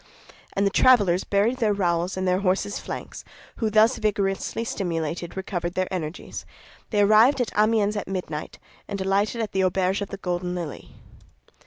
And the travelers buried their rowels in their horses' flanks, who thus vigorously stimulated recovered their energies. They arrived at Amiens at midnight, and alighted at the auberge of the Golden Lily.